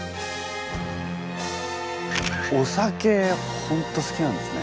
お酒本当好きなんですね。